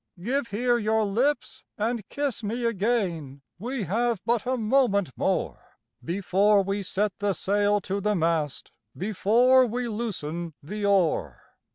Give here your lips and kiss me again, we have but a moment more, Before we set the sail to the mast, before we loosen the oar.